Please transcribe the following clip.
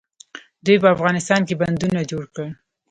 دوی په افغانستان کې بندونه جوړ کړل.